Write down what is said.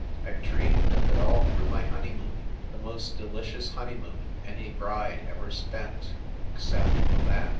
I dreamed of it, all through my honeymoon the most delicious honeymoon any bride ever spent except for that.